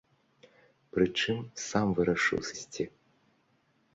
Прычым сам вырашыў сысці.